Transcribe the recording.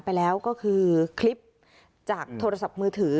ไปแล้วก็คือคลิปจากโทรศัพท์มือถือ